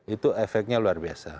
itu efeknya luar biasa